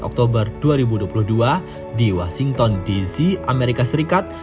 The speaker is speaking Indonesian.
oktober dua ribu dua puluh dua di washington dc amerika serikat